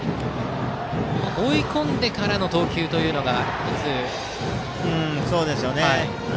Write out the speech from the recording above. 追い込んでからの投球というのが１つの持ち味ですね。